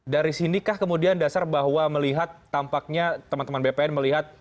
dari sinikah kemudian dasar bahwa melihat tampaknya teman teman bpn melihat